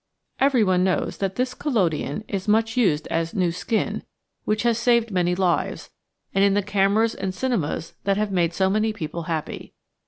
Every one knows that this collodion is much used as "new skin," which has saved many lives, and in the cameras and cinemas that have made so many people happy.